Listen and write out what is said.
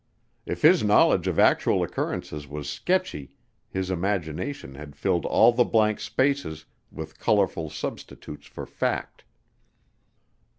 If his knowledge of actual occurrences was sketchy his imagination had filled all the blank spaces with colorful substitutes for fact.